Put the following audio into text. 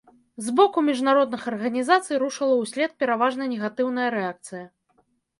З боку міжнародных арганізацый рушыла ўслед пераважна негатыўная рэакцыя.